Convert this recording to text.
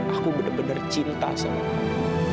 aku bener bener cinta sama kamu